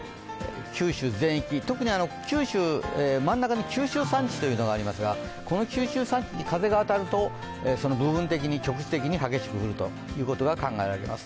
九州全域、特に九州真ん中に九州山地というのがありますがこの九州山地に風が当たると部分的に局地的に激しく降るということが考えられます。